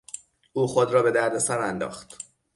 او خود را به دردسر انداخت.